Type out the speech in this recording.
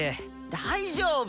大丈夫！